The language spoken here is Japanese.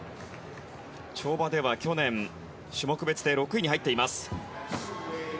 跳馬では去年種目別で６位に入っています。